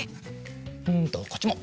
うんとこっちも。